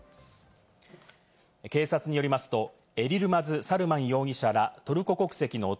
警察によりますと、エリルマズ・サルマン容疑者らトルコ国籍の男